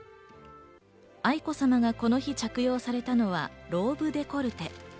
愛子さまがこの日着用されたのはローブデコルテ。